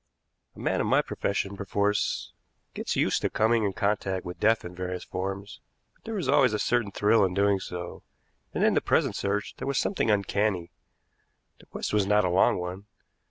A man in my profession perforce gets used to coming in contact with death in various forms, but there is always a certain thrill in doing so, and in the present search there was something uncanny. The quest was not a long one.